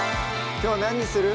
きょう何にする？